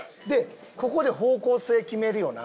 ここで方向性決めるよな。